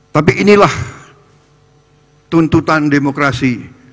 tapi inilah tuntutan demokrasi